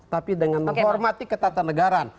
tapi dengan menghormati ketatanegaraan